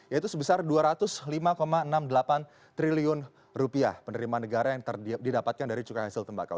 yaitu sebesar rp dua ratus lima enam puluh delapan triliun penerimaan negara yang didapatkan dari cukai hasil tembakau